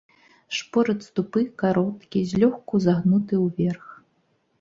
Шпорац тупы, кароткі, злёгку загнуты ўверх.